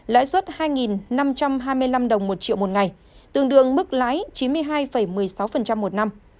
lãi suất hai năm trăm hai mươi năm đồng một triệu một ngày tương đương mức lãi chín mươi hai một mươi sáu một năm